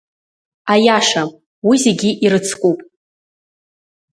Аиаша, уи зегьы ирыцкуп.